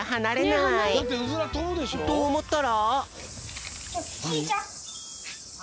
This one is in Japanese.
とおもったら。